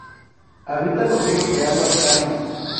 Habita los ríos de aguas calmas.